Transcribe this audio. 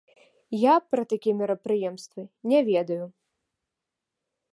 Я пра такія мерапрыемствы не ведаю.